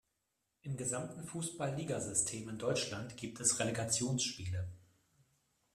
Im gesamten Fußball-Ligasystem in Deutschland gibt es Relegationsspiele.